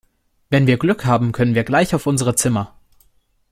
Wenn wir Glück haben, können wir gleich auf unsere Zimmer.